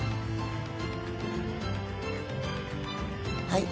はい。